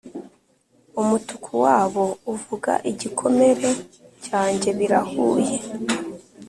umutuku wabo uvuga igikomere cyanjye, birahuye.